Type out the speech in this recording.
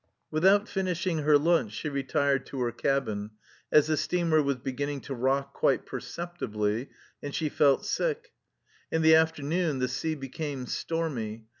Without finishing her lunch she retired to her cabin, as the steamer was beginning to rock quite perceptibly and she felt sick. In the after noon the sea became stormy.